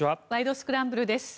スクランブル」です。